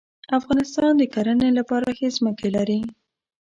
افغانستان د کرهڼې لپاره ښې ځمکې لري.